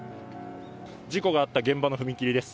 事故があった現場の踏切です。